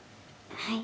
はい。